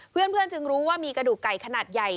เพื่อนจึงรู้ว่ามีกระดูกไก่ขนาดใหญ่